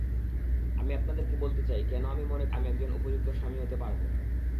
আমি আপনাদেরকে বলতে চাই কেন আমি মনেকরি, আমি একজন উপযুক্ত স্বামী হতে পারব।